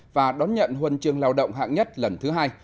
và đón nhận huần trường lao động hạng nhất lần thứ hai